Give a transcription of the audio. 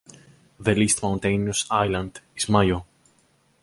The least mountainous island is Maio.